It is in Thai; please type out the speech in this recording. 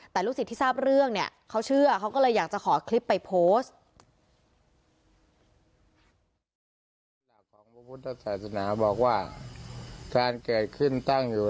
แต่ลูกศิษย์ที่ทราบเรื่องเนี่ยเขาเชื่อเขาก็เลยอยากจะขอคลิปไปโพสต์